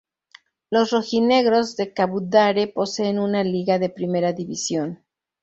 Los "rojinegros" de Cabudare poseen una liga de Primera división.